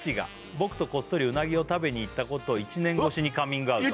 「僕とこっそりうなぎを食べにいったことを１年越しにカミングアウト」